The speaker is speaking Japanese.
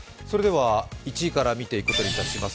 １位から見ていくことにいたします